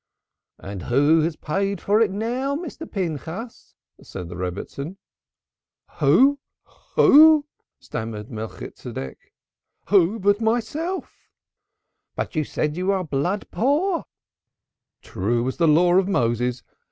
"And who paid for it now, Mr. Pinchas?" said the Rebbitzin. "Who? Wh o o?" stammered Melchitsedek. "Who but myself?" "But you say you are blood poor." "True as the Law of Moses!